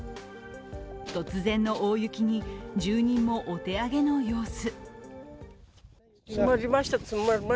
突然の大雪に、住人もお手上げの様子。